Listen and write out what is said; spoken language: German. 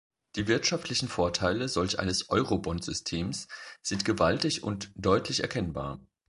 Die wirtschaftlichen Vorteile solch eines Eurobondsystems sind gewaltig und deutlich erkennbar.